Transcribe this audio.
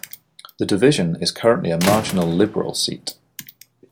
The division is currently a marginal Liberal seat.